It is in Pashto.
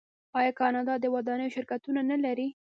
آیا کاناډا د ودانیو شرکتونه نلري؟